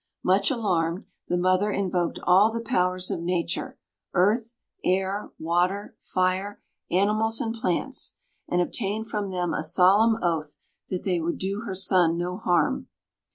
Much alarmed, the mother invoked all the powers of nature earth, air, water, fire, animals and plants, and obtained from them a solemn oath that they would do her son no harm.